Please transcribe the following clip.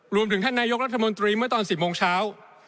ท่านนายกรัฐมนตรีเมื่อตอน๑๐โมงเช้า